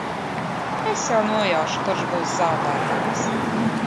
Es jau nojaušu, kurš būs zaudētājs.